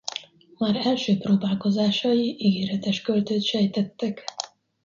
Már első próbálkozásai ígéretes költőt sejtettek.